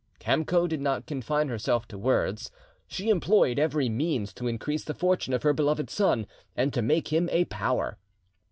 Kamco did not confine herself to words; she employed every means to increase the fortune of her beloved son and to make him a power.